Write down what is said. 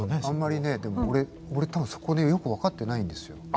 あんまりねでも俺多分そこねよく分かってないんですよ。